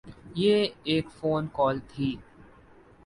یہ ایک phone call تھی۔